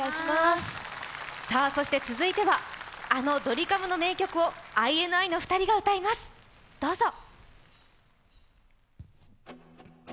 そして続いてはあのドリカムの名曲をＩＮＩの２人が歌います、どうぞ。